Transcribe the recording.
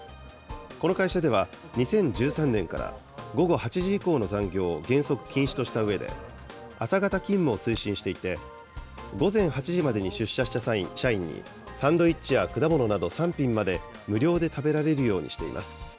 この会社では、２０１３年から、午後８時以降の残業を原則禁止としたうえで、朝型勤務を推進していて、午前８時までに出社した社員に、サンドイッチや果物など３品まで無料で食べられるようにしています。